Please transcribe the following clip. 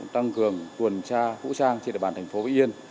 tăng cường tuần tra vũ trang trên địa bàn thành phố vĩnh yên